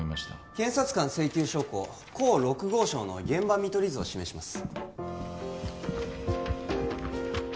検察官請求証拠甲６号証の現場見取り図を示します